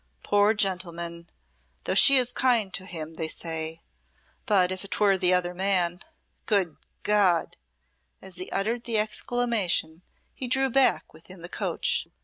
Poor gentleman though she is kind to him, they say. But if 'twere the other man Good God!" As he uttered the exclamation he drew back within the coach.